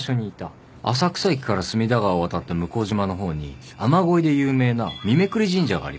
浅草駅から隅田川を渡った向島の方に雨乞いで有名な三囲神社があります。